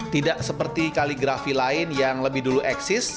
tidak seperti kaligrafi lain yang lebih dulu eksis